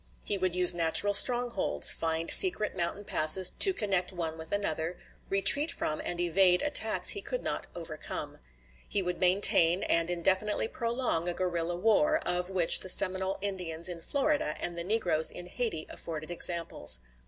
He would use natural strongholds; find secret mountain passes to connect one with another; retreat from and evade attacks he could not overcome. He would maintain and indefinitely prolong a guerrilla war, of which the Seminole Indians in Florida and the negroes in Hayti afforded examples.